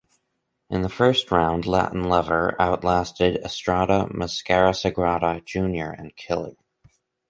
In the first round Latin Lover outlasted Estrada, Mascara Sagrada, Junior and Killer.